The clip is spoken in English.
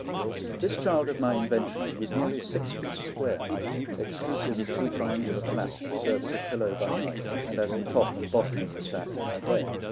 This child of my invention was nearly six feet square, exclusive of two triangular flaps to serve as a pillow by night and as the top and bottom of the sack by day.